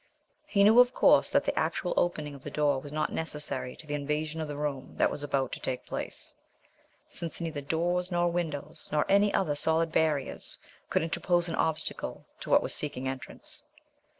He knew, of course, that the actual opening of the door was not necessary to the invasion of the room that was about to take place, since neither doors nor windows, nor any other solid barriers could interpose an obstacle to what was seeking entrance.